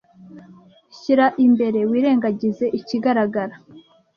Shyira imbere wirengagize ikigaragara